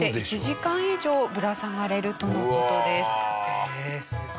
ええすごい。